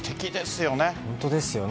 本当ですよね。